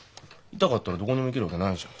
痛かったらどこにも行けるわけないじゃん。